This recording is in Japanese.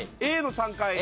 Ａの３階。